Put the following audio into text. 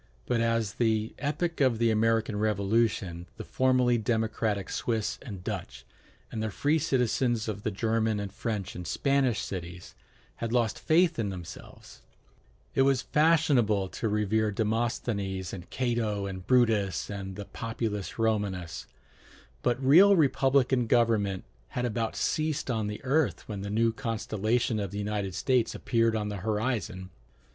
There had been plenty of government of the people in ancient and medieval times; but at the epoch of the American Revolution the formerly democratic Swiss and Dutch, and the free citizens of the German and French and Spanish cities, had lost faith in themselves. It was fashionable to revere Demosthenes and Cato and Brutus and the Populus Romanus; but real republican government had about ceased on the earth when the new constellation of the United States appeared on the horizon.